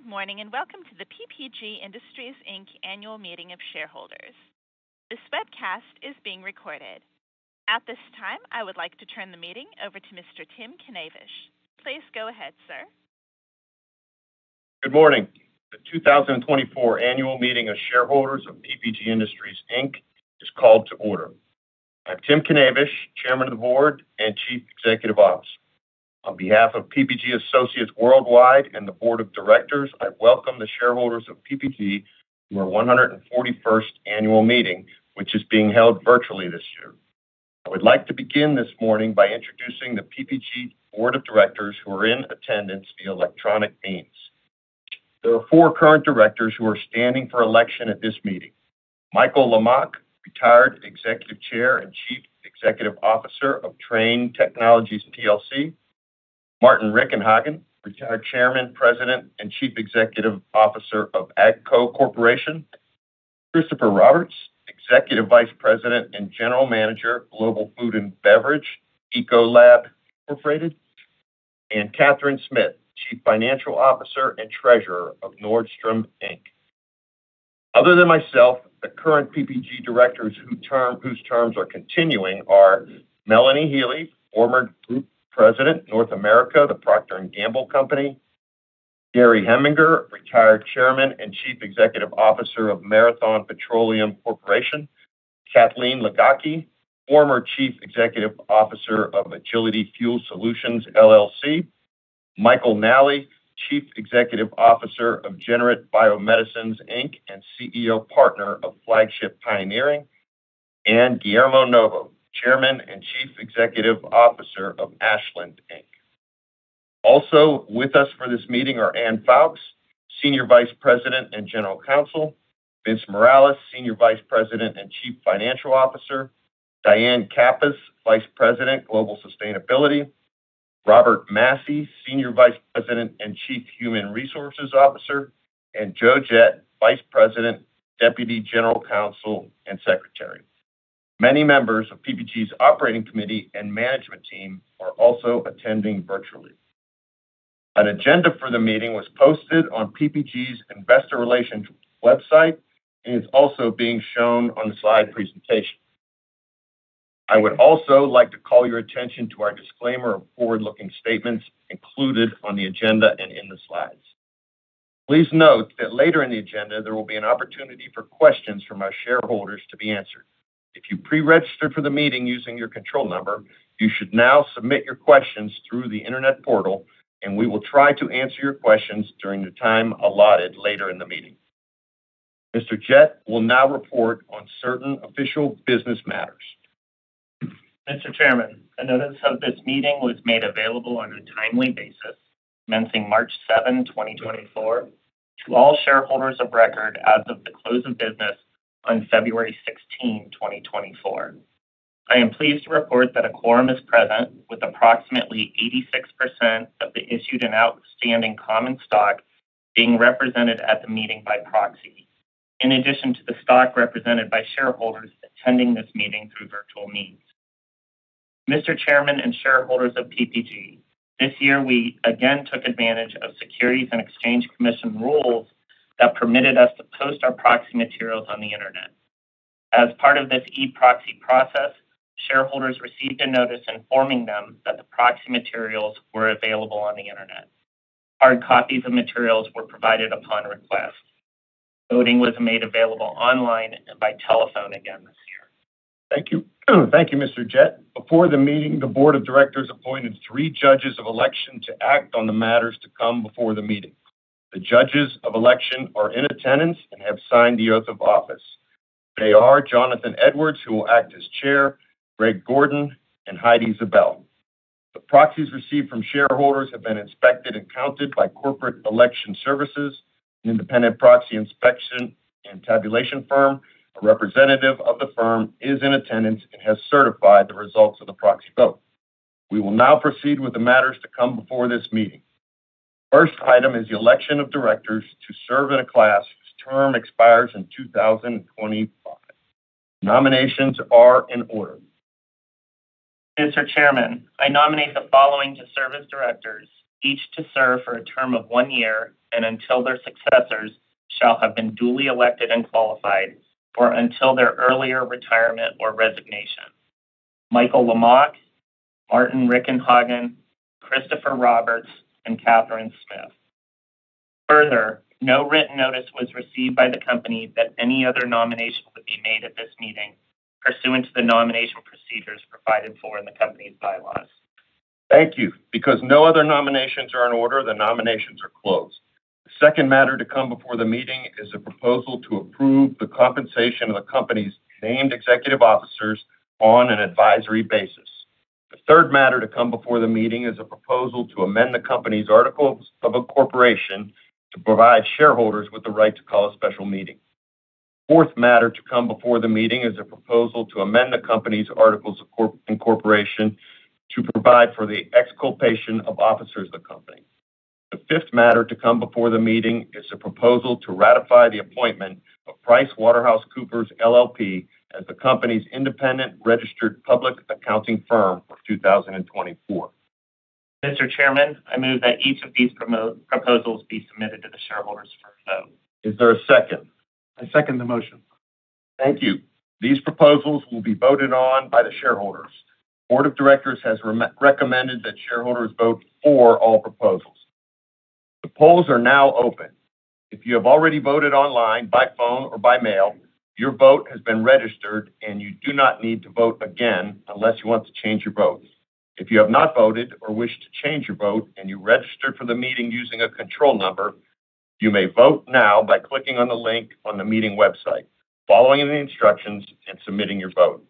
Good morning and welcome to the PPG Industries Inc. annual meeting of shareholders. This webcast is being recorded. At this time, I would like to turn the meeting over to Mr. Tim Knavish. Please go ahead, sir. Good morning. The 2024 annual meeting of shareholders of PPG Industries Inc. is called to order. I'm Tim Knavish, Chairman of the Board and Chief Executive Officer. On behalf of PPG Associates Worldwide and the Board of Directors, I welcome the shareholders of PPG to our 141st annual meeting, which is being held virtually this year. I would like to begin this morning by introducing the PPG Board of Directors who are in attendance via electronic means. There are four current directors who are standing for election at this meeting: Michael Lamach, retired Executive Chair and Chief Executive Officer of Trane Technologies plc; Martin Richenhagen, retired Chairman, President, and Chief Executive Officer of AGCO Corporation; Christopher Roberts, Executive Vice President and General Manager Global Food and Beverage Ecolab Incorporated; and Catherine Smith, Chief Financial Officer and Treasurer of Nordstrom Inc. Other than myself, the current PPG directors whose terms are continuing are Melanie Healey, former Group President North America the Procter & Gamble Company; Gary Heminger, retired Chairman and Chief Executive Officer of Marathon Petroleum Corporation; Kathleen Ligocki, former Chief Executive Officer of Agility Fuel Solutions LLC; Michael Nally, Chief Executive Officer of Generate Biomedicines Inc. and CEO Partner of Flagship Pioneering; and Guillermo Novo, Chairman and Chief Executive Officer of Ashland Inc. Also with us for this meeting are Anne Foulkes, Senior Vice President and General Counsel; Vince Morales, Senior Vice President and Chief Financial Officer; Diane Kappas, Vice President, Global Sustainability; Robert Massy, Senior Vice President and Chief Human Resources Officer; and Joe Gette, Vice President, Deputy General Counsel and Secretary. Many members of PPG's operating committee and management team are also attending virtually. An agenda for the meeting was posted on PPG's investor relations website, and it's also being shown on the slide presentation. I would also like to call your attention to our disclaimer of forward-looking statements included on the agenda and in the slides. Please note that later in the agenda there will be an opportunity for questions from our shareholders to be answered. If you pre-registered for the meeting using your control number, you should now submit your questions through the internet portal, and we will try to answer your questions during the time allotted later in the meeting. Mr. Gette will now report on certain official business matters. Mr. Chairman, a notice of this meeting was made available on a timely basis, commencing March 7, 2024, to all shareholders of record as of the close of business on February 16, 2024. I am pleased to report that a quorum is present, with approximately 86% of the issued and outstanding common stock being represented at the meeting by proxy, in addition to the stock represented by shareholders attending this meeting through virtual means. Mr. Chairman and shareholders of PPG, this year we again took advantage of Securities and Exchange Commission rules that permitted us to post our proxy materials on the internet. As part of this e-proxy process, shareholders received a notice informing them that the proxy materials were available on the internet. Hard copies of materials were provided upon request. Voting was made available online and by telephone again this year. Thank you. Thank you, Mr. Gette. Before the meeting, the Board of Directors appointed three judges of election to act on the matters to come before the meeting. The judges of election are in attendance and have signed the oath of office. They are Jonathan Edwards, who will act as Chair, Greg Gordon, and Heidi Zabel. The proxies received from shareholders have been inspected and counted by Corporate Election Services, an independent proxy inspection and tabulation firm. A representative of the firm is in attendance and has certified the results of the proxy vote. We will now proceed with the matters to come before this meeting. First item is the election of directors to serve in a class whose term expires in 2025. Nominations are in order. Mr. Chairman, I nominate the following to serve as directors, each to serve for a term of one year and until their successors shall have been duly elected and qualified, or until their earlier retirement or resignation: Michael Lamach, Martin Richenhagen, Christopher Roberts, and Catherine Smith. Further, no written notice was received by the company that any other nomination would be made at this meeting pursuant to the nomination procedures provided for in the company's bylaws. Thank you. Because no other nominations are in order, the nominations are closed. The second matter to come before the meeting is a proposal to approve the compensation of the company's named executive officers on an advisory basis. The third matter to come before the meeting is a proposal to amend the company's articles of incorporation to provide shareholders with the right to call a special meeting. The fourth matter to come before the meeting is a proposal to amend the company's articles of incorporation to provide for the exculpation of officers of the company. The fifth matter to come before the meeting is a proposal to ratify the appointment of PricewaterhouseCoopers LLP, as the company's independent registered public accounting firm for 2024. Mr. Chairman, I move that each of these proposals be submitted to the shareholders for a vote. Is there a second? I second the motion. Thank you. These proposals will be voted on by the shareholders. The Board of Directors has recommended that shareholders vote for all proposals. The polls are now open. If you have already voted online, by phone, or by mail, your vote has been registered, and you do not need to vote again unless you want to change your vote. If you have not voted or wish to change your vote and you registered for the meeting using a control number, you may vote now by clicking on the link on the meeting website, following the instructions, and submitting your vote.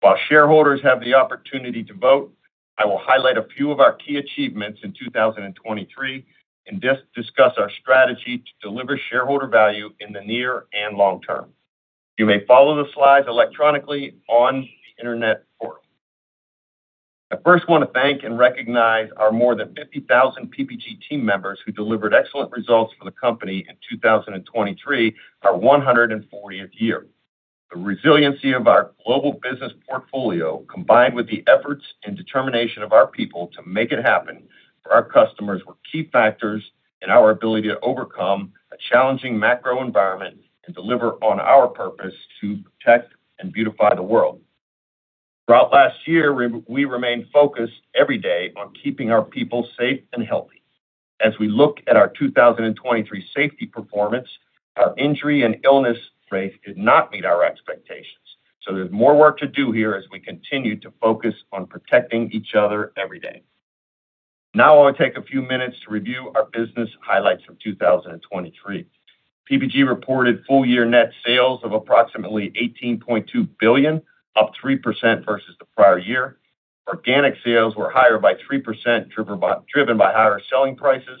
While shareholders have the opportunity to vote, I will highlight a few of our key achievements in 2023 and discuss our strategy to deliver shareholder value in the near and long term. You may follow the slides electronically on the internet portal. I first want to thank and recognize our more than 50,000 PPG team members who delivered excellent results for the company in 2023, our 140th year. The resiliency of our global business portfolio, combined with the efforts and determination of our people to make it happen for our customers, were key factors in our ability to overcome a challenging macro environment and deliver on our purpose to protect and beautify the world. Throughout last year, we remained focused every day on keeping our people safe and healthy. As we look at our 2023 safety performance, our injury and illness rates did not meet our expectations. So there's more work to do here as we continue to focus on protecting each other every day. Now I'll take a few minutes to review our business highlights from 2023. PPG reported full-year net sales of approximately $18.2 billion, up 3% versus the prior year. Organic sales were higher by 3%, driven by higher selling prices,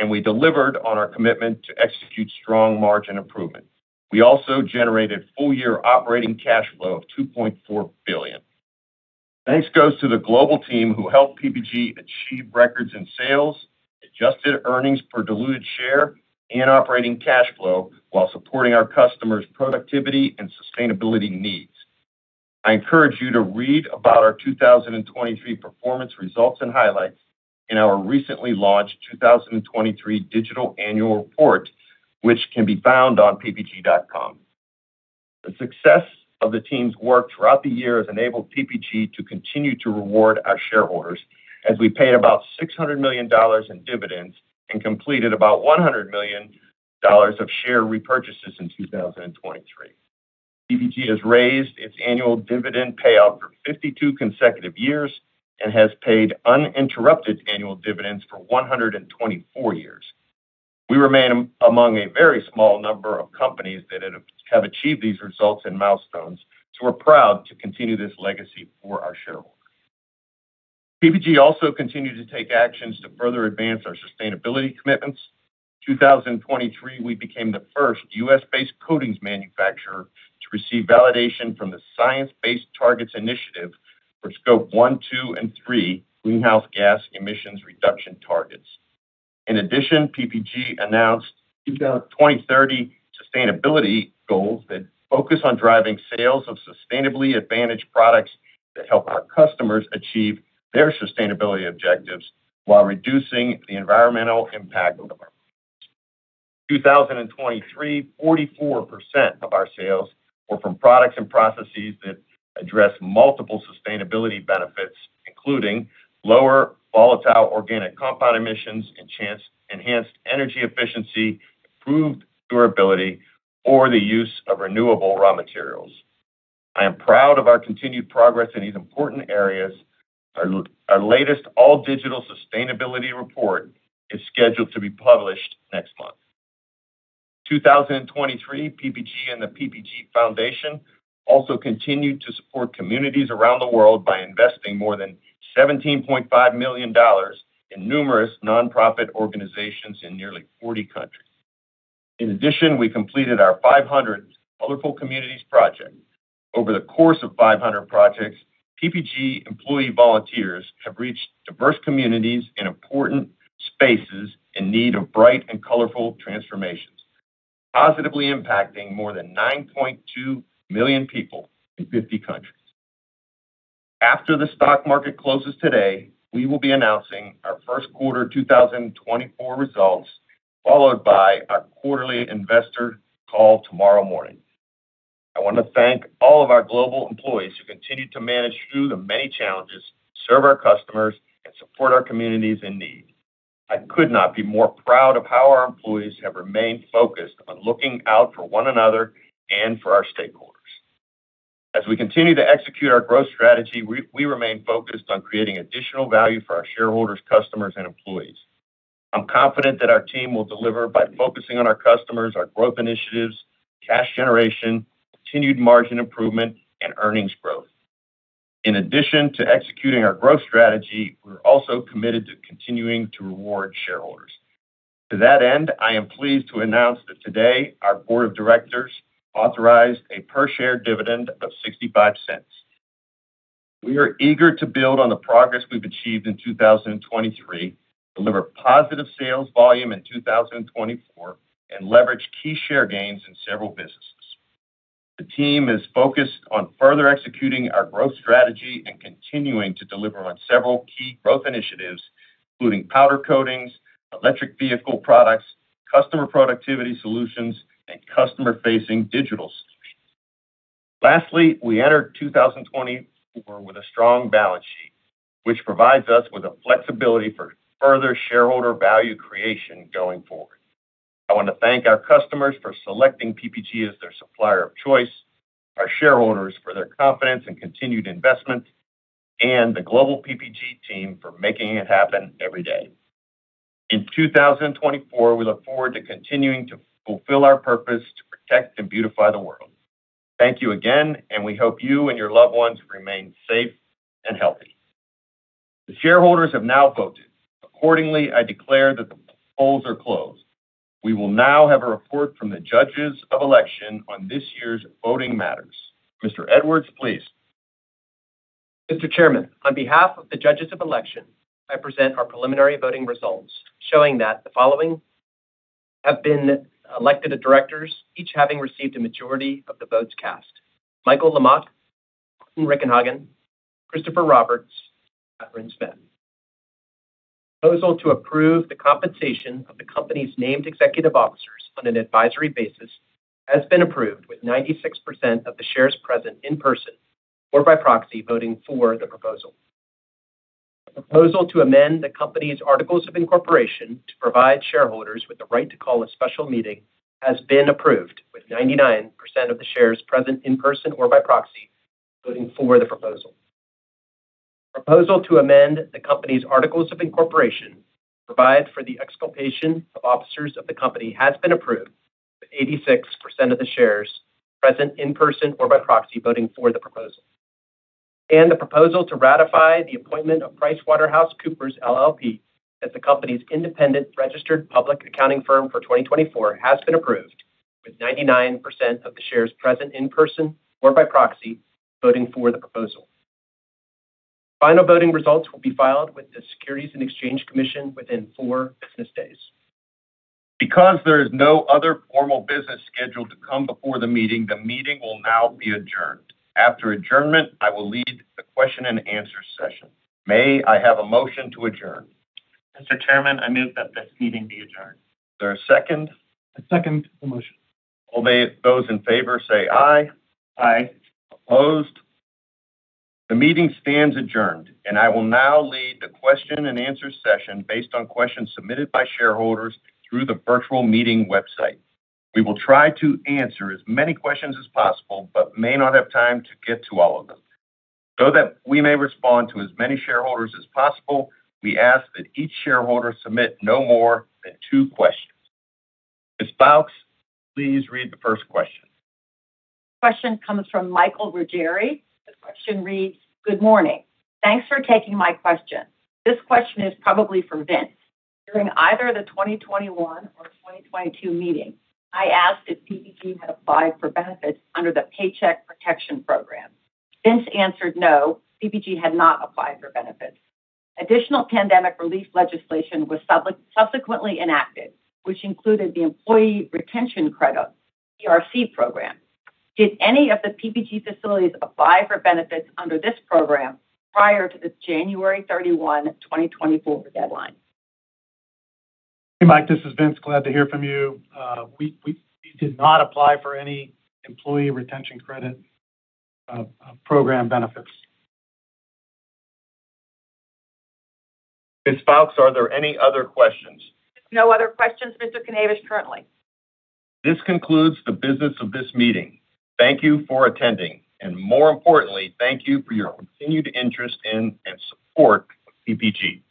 and we delivered on our commitment to execute strong margin improvement. We also generated full-year operating cash flow of $2.4 billion. Thanks goes to the global team who helped PPG achieve records in sales, adjusted earnings per diluted share, and operating cash flow while supporting our customers' productivity and sustainability needs. I encourage you to read about our 2023 performance results and highlights in our recently launched 2023 digital annual report, which can be found on ppg.com. The success of the team's work throughout the year has enabled PPG to continue to reward our shareholders as we paid about $600 million in dividends and completed about $100 million of share repurchases in 2023. PPG has raised its annual dividend payout for 52 consecutive years and has paid uninterrupted annual dividends for 124 years. We remain among a very small number of companies that have achieved these results and milestones, so we're proud to continue this legacy for our shareholders. PPG also continued to take actions to further advance our sustainability commitments. In 2023, we became the first U.S.-based coatings manufacturer to receive validation from the Science-Based Targets initiative for scope 1, 2, and 3 greenhouse gas emissions reduction targets. In addition, PPG announced 2030 sustainability goals that focus on driving sales of sustainably advantaged products that help our customers achieve their sustainability objectives while reducing the environmental impact of our products. In 2023, 44% of our sales were from products and processes that address multiple sustainability benefits, including lower volatile organic compound emissions, enhanced energy efficiency, improved durability, or the use of renewable raw materials. I am proud of our continued progress in these important areas. Our latest all-digital sustainability report is scheduled to be published next month. In 2023, PPG and the PPG Foundation also continued to support communities around the world by investing more than $17.5 million in numerous nonprofit organizations in nearly 40 countries. In addition, we completed our 500 Colorful Communities project. Over the course of 500 projects, PPG employee volunteers have reached diverse communities in important spaces in need of bright and colorful transformations, positively impacting more than 9.2 million people in 50 countries. After the stock market closes today, we will be announcing our Q1 2024 results, followed by our quarterly investor call tomorrow morning. I want to thank all of our global employees who continue to manage through the many challenges, serve our customers, and support our communities in need. I could not be more proud of how our employees have remained focused on looking out for one another and for our stakeholders. As we continue to execute our growth strategy, we remain focused on creating additional value for our shareholders, customers, and employees. I'm confident that our team will deliver by focusing on our customers, our growth initiatives, cash generation, continued margin improvement, and earnings growth. In addition to executing our growth strategy, we're also committed to continuing to reward shareholders. To that end, I am pleased to announce that today our Board of Directors authorized a per-share dividend of $0.65. We are eager to build on the progress we've achieved in 2023, deliver positive sales volume in 2024, and leverage key share gains in several businesses. The team is focused on further executing our growth strategy and continuing to deliver on several key growth initiatives, including powder coatings, electric vehicle products, customer productivity solutions, and customer-facing digital solutions. Lastly, we entered 2024 with a strong balance sheet, which provides us with flexibility for further shareholder value creation going forward. I want to thank our customers for selecting PPG as their supplier of choice, our shareholders for their confidence and continued investments, and the global PPG team for making it happen every day. In 2024, we look forward to continuing to fulfill our purpose to protect and beautify the world. Thank you again, and we hope you and your loved ones remain safe and healthy. The shareholders have now voted. Accordingly, I declare that the polls are closed. We will now have a report from the judges of election on this year's voting matters. Mr. Edwards, please. Mr. Chairman, on behalf of the judges of election, I present our preliminary voting results, showing that the following have been elected as directors, each having received a majority of the votes cast: Michael Lamach, Martin Richenhagen, Christopher Roberts, and Catherine Smith. The proposal to approve the compensation of the company's named executive officers on an advisory basis has been approved with 96% of the shares present in person or by proxy voting for the proposal. The proposal to amend the company's articles of incorporation to provide shareholders with the right to call a special meeting has been approved with 99% of the shares present in person or by proxy voting for the proposal. The proposal to amend the company's articles of incorporation to provide for the exculpation of officers of the company has been approved with 86% of the shares present in person or by proxy voting for the proposal. The proposal to ratify the appointment of PricewaterhouseCoopers LLP as the company's independent registered public accounting firm for 2024 has been approved with 99% of the shares present in person or by proxy voting for the proposal. Final voting results will be filed with the Securities and Exchange Commission within four business days. Because there is no other formal business scheduled to come before the meeting, the meeting will now be adjourned. After adjournment, I will lead the question-and-answer session. May I have a motion to adjourn? Mr. Chairman, I move that this meeting be adjourned. Is there a second? I second the motion. All those in favor say aye. Aye. Opposed? The meeting stands adjourned, and I will now lead the question-and-answer session based on questions submitted by shareholders through the virtual meeting website. We will try to answer as many questions as possible but may not have time to get to all of them. So that we may respond to as many shareholders as possible, we ask that each shareholder submit no more than two questions. Ms. Foulkes, please read the first question. Question comes from Michael Ruggeri. The question reads, "Good morning. Thanks for taking my question. This question is probably for Vince. During either the 2021 or 2022 meeting, I asked if PPG had applied for benefits under the Paycheck Protection Program. Vince answered no, PPG had not applied for benefits. Additional pandemic relief legislation was subsequently enacted, which included the Employee Retention Credit, ERC program. Did any of the PPG facilities apply for benefits under this program prior to the January 31, 2024 deadline? Hey, Mike. This is Vince. Glad to hear from you. We did not apply for any Employee Retention Credit program benefits. Ms. Foulkes, are there any other questions? There's no other questions, Mr. Knavish, currently. This concludes the business of this meeting. Thank you for attending, and more importantly, thank you for your continued interest in and support of PPG.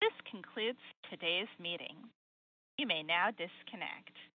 This concludes today's meeting. You may now disconnect.